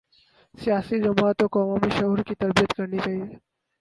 سیاسی جماعتوں کو عوامی شعور کی تربیت کرنی چاہیے۔